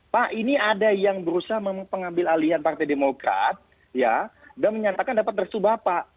pak ini ada yang berusaha mengambil alihan partai demokrat ya dan menyatakan dapat resuh bapak